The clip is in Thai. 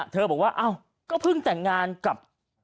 เธอบอกว่าก็เพิ่งแต่งงานกับ